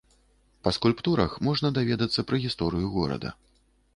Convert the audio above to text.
Па скульптурах можна даведацца пра гісторыю горада.